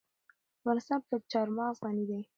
افغانستان په چار مغز غني دی.